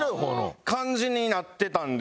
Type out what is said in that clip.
感じになってたんで。